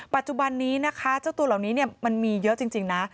ปัจจุบันนี้นะคะเจ้าตัวเหล่านี้มันมีเยอะจริงนะ